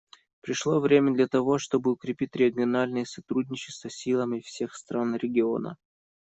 Пришло время для того, чтобы укрепить региональное сотрудничество силами всех стран региона.